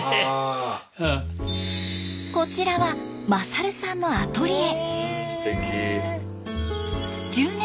こちらは勝さんのアトリエ。